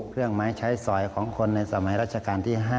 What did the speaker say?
เครื่องไม้ใช้สอยของคนในสมัยราชการที่๕